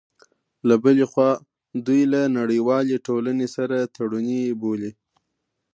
له بلې خوا، دوی له نړیوالې ټولنې سره تړوني بولي